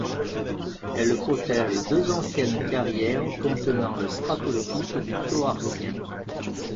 Elle protège deux anciennes carrières contenant le stratotype du Toarcien.